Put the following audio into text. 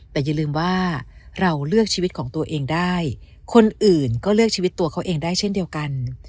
แต่อย่าลืมว่าเราเลือกชีวิตของตัวเองได้คนอื่นก็เลือกชีวิตตัวเขาเองได้เช่นเดียวกัน